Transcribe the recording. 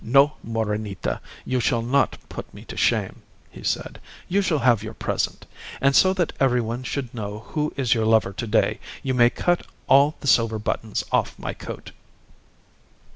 "No, Morenita! You shall not put me to shame," he said. "You shall have your present; and so that everyone should know who is your lover to day, you may cut all the silver buttons off my coat."